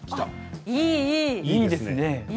いいですね。